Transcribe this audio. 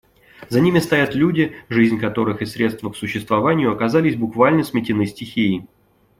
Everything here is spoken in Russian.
За ними стоят люди, жизнь которых и средства к существованию оказались буквально сметены стихией.